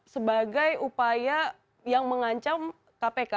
sebagai upaya yang mengancam kpk